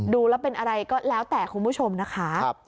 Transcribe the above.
ดูแล้วเป็นอะไรก็แล้วแต่คุณผู้ชมนะคะ